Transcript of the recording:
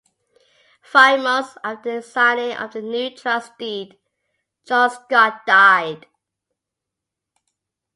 Five months after the signing of the new Trust Deed, John Scott died.